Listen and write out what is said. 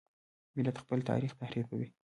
ملت خپل تاریخ تحریفوي.